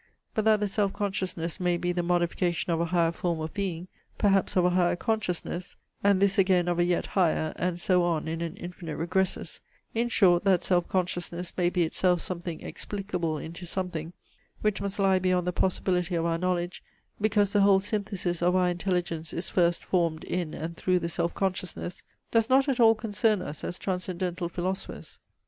But that the self consciousness may be the modification of a higher form of being, perhaps of a higher consciousness, and this again of a yet higher, and so on in an infinite regressus; in short, that self consciousness may be itself something explicable into something, which must lie beyond the possibility of our knowledge, because the whole synthesis of our intelligence is first formed in and through the self consciousness, does not at all concern us as transcendental philosophers.